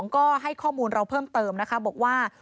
ก็ให้ข้อมูลเราเพิ่มเติมนะคะบอกว่า